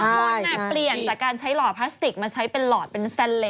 มนต์เปลี่ยนจากการใช้หลอดพลาสติกมาใช้เป็นหลอดเป็นแซนเลส